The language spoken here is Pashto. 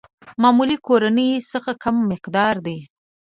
معمولي کورنيو څخه کم مقدار دي.